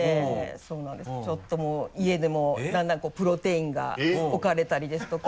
そうなんですちょっともう家でもだんだんこうプロテインが置かれたりですとか。